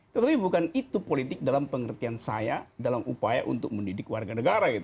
tetapi bukan itu politik dalam pengertian saya dalam upaya untuk mendidik warga negara